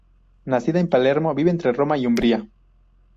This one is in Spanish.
Nacida en Palermo, vive entre Roma y Umbría.